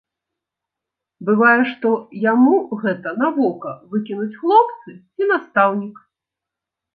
Бывае, што яму гэта на вока выкінуць хлопцы ці настаўнік.